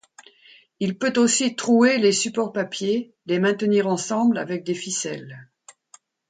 Il peut aussi trouer les supports papier, les maintenir ensemble avec des ficelles.